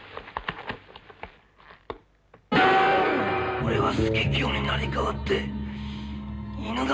俺は佐清に成り代わって犬神